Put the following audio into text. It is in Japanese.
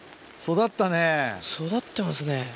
育ってますね。